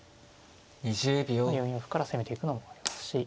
４四歩から攻めていくのもありますし。